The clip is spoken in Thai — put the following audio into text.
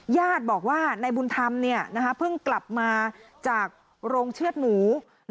ญาติบอกว่านายบุญธรรมเพิ่งกลับมาจากโรงเชือดหมู